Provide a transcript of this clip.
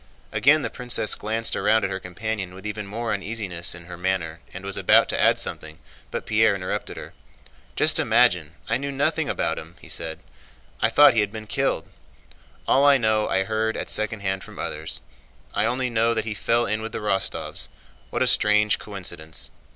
Again the princess glanced round at her companion with even more uneasiness in her manner and was about to add something, but Pierre interrupted her. "Just imagine—I knew nothing about him!" said he. "I thought he had been killed. All I know I heard at second hand from others. I only know that he fell in with the Rostóvs.... What a strange coincidence!"